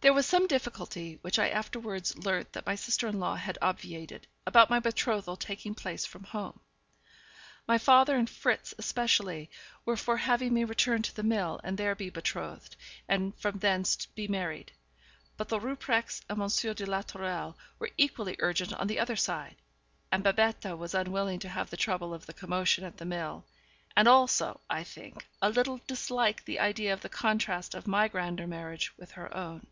There was some difficulty, which I afterwards learnt that my sister in law had obviated, about my betrothal taking place from home. My father, and Fritz especially, were for having me return to the mill, and there be betrothed, and from thence be married. But the Rupprechts and Monsieur de la Tourelle were equally urgent on the other side; and Babette was unwilling to have the trouble of the commotion at the mill; and also, I think, a little disliked the idea of the contrast of my grander marriage with her own.